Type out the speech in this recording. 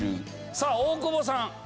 さあ大久保さん。